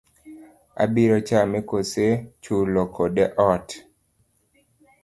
Abiro chame kose chulo kode ot?